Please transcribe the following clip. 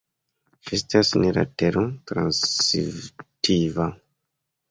Ĝi estas ne latero-transitiva.